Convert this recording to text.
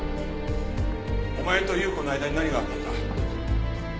お前と有雨子の間に何があったんだ？